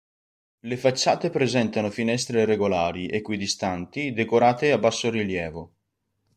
Le facciate presentano finestre regolari, equidistanti, decorate a bassorilievo.